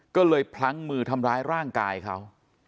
ก็เลยพลั้งมือทำร้ายร่างกายเขา